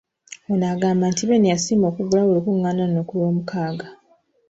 Ono agamba nti Beene yasiima okuggulawo olukung’aana luno ku Lwomukaaga .